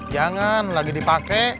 jangan lagi dipake